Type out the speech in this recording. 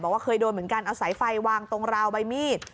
บอกว่าเคยโดนเหมือนกันเอาสายไฟวางตรงราวใบมีด